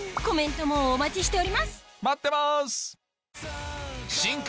コメントもお待ちしております待ってます！